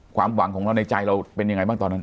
ความหวังของเราในใจเราเป็นยังไงบ้างตอนนั้น